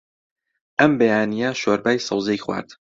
ئەم بەیانییە شۆربای سەوزەی خوارد.